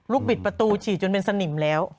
บิดประตูฉี่จนเป็นสนิมแล้ว